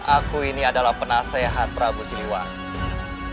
aku ini adalah penasehat prabu siliwangi